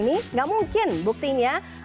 tidak mungkin buktinya